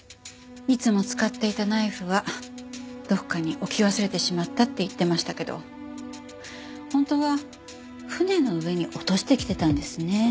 いつも使っていたナイフはどこかに置き忘れてしまったって言ってましたけど本当は船の上に落としてきてたんですね。